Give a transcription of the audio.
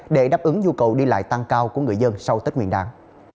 để đáp ứng nhu cầu đi lại tăng cao của người dân sau tết nguyên đáng